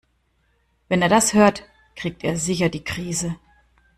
Wenn er das hört, kriegt er sicher die Krise.